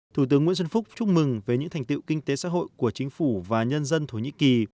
thủ tướng nguyễn xuân phúc chúc mừng về những thành tiệu kinh tế xã hội của chính phủ và nhân dân thổ nhĩ kỳ